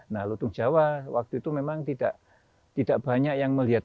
nah lutung jawa waktu itu memang tidak banyak yang melihat